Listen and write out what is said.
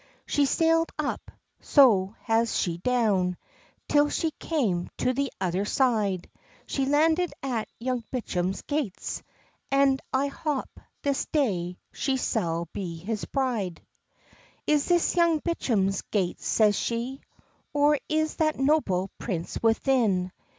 She's saild up, so has she down, Till she came to the other side; She's landed at Young Bicham's gates, An I hop this day she sal be his bride. "Is this Young Bicham's gates?" says she. "Or is that noble prince within?"